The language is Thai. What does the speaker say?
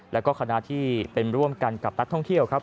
แล้วก็คณะที่เป็นร่วมกันกับนักท่องเที่ยวครับ